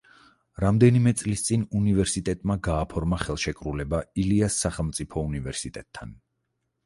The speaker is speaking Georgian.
რამდენიმე წლის წინ უნივერსიტეტმა გააფორმა ხელშეკრულება ილიას სახელმწიფო უნივერსიტეტთან.